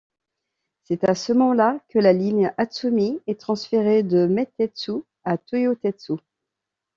C'est à ce moment-là que la ligne Atsumi est transférée de Meitetsu à Toyotetsu.